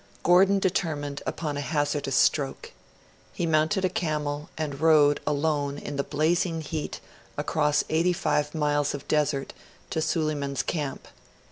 Gordon determined upon a hazardous stroke. He mounted a camel, and rode, alone, in the blazing heat, across eighty five miles of desert, to Suleiman's camp.